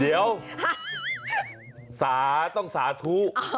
เดี๋ยวสาต้องสาธุ